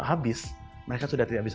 habis mereka sudah tidak bisa